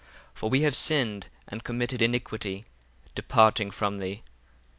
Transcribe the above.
6 For we have sinned and committed iniquity, departing from thee.